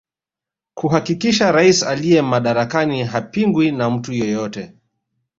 Kuhakikisha rais aliye madarakani hapingwi na mtu yeyote